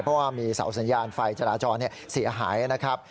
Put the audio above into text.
เพราะว่ามีเสาสัญญาณไฟจราจรเสียหายนะครับ